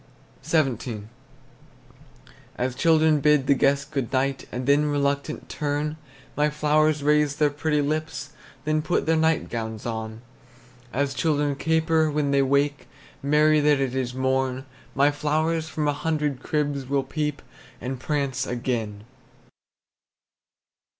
XVII. As children bid the guest good night, And then reluctant turn, My flowers raise their pretty lips, Then put their nightgowns on. As children caper when they wake, Merry that it is morn, My flowers from a hundred cribs Will peep, and prance again.